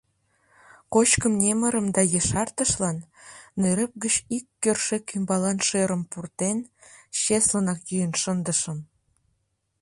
Кочкым немырым да ешартышлан, нӧрӧп гыч ик кӧршӧк ӱмбалан шӧрым пуртен, чеслынак йӱын шындышым.